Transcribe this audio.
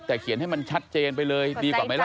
แต่เขียนให้มันชัดเจนไปเลยดีกว่าไหมล่ะ